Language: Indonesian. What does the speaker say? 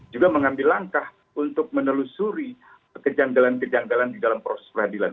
juga mengambil langkah untuk menelusuri kejanggalan kejanggalan di dalam proses peradilan